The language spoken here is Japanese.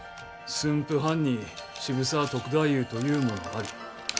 「駿府藩に渋沢篤太夫というものあり。